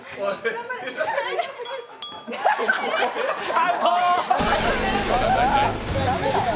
アウトー！